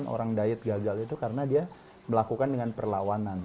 sembilan puluh lima orang diet gagal itu karena dia melakukan dengan perlawanan